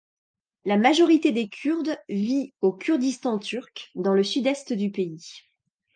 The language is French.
La majorité des Kurdes vit au Kurdistan turc, dans le Sud-Est du pays.